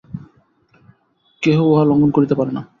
কেহই উহা লঙ্ঘন করিতে পারে না।